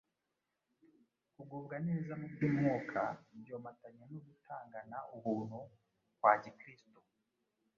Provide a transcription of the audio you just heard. Kugubwa neza mu by’umwuka byomatanye no gutangana ubuntu kwa Gikristo.